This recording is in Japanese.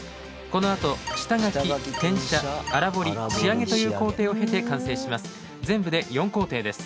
このあと下書き転写粗彫り仕上げという工程を経て完成します。